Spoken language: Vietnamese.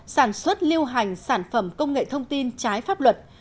sản xuất lưu hành sản phẩm công nghệ thông tin trái pháp luật